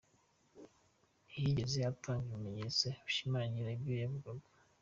Ntiyigeze atanga ibimenyetso bishimangira ibyo yavugaga.